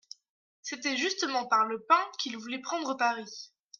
C'était justement par le pain qu'il voulait prendre Paris.